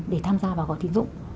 để tham gia vào gói tín dụng